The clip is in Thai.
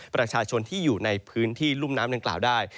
ประชาชนที่อยู่ในพื้นที่รุ่มน้ำดังกล่าวได้